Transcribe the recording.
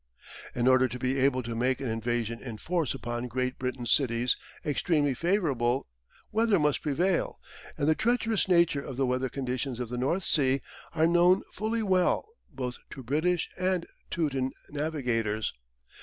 In order to be able to make an invasion in force upon Great Britain's cities extremely favourable weather must prevail, and the treacherous nature of the weather conditions of the North Sea are known fully well both to British and Teuton navigators.